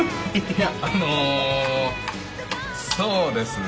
いやあのそうですね。